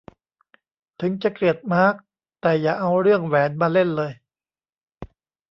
ถึงจะเกลียดมาร์ค แต่อย่าเอาเรื่องแหวนมาเล่นเลย